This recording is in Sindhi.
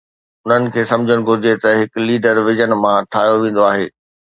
انهن کي سمجهڻ گهرجي ته هڪ ليڊر وژن مان ٺاهيو ويندو آهي.